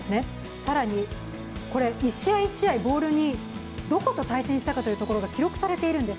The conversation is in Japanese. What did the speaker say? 更に、これ、１試合１試合、ボールにどこと対戦したかということが記録されているんです。